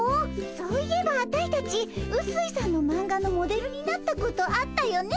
そういえばアタイたちうすいさんのマンガのモデルになったことあったよね。